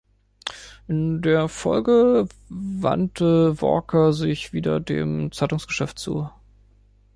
In der Folge wandte Walker sich wieder dem Zeitungsgeschäft zu.